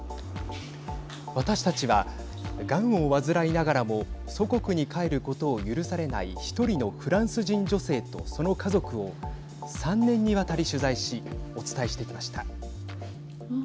私たちは、がんを患いながらも祖国に帰ることを許されない１人のフランス人女性とその家族を３年にわたり取材しお伝えしてきました。